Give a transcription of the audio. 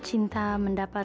tidak ada korepot